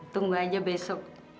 tunggu aja besok